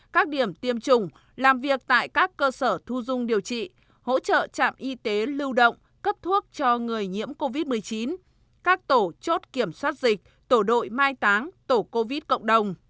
các điểm tiêm chủng làm việc tại các cơ sở thu dung điều trị hỗ trợ trạm y tế lưu động cấp thuốc cho người nhiễm covid một mươi chín các tổ chốt kiểm soát dịch tổ đội mai táng tổ covid cộng đồng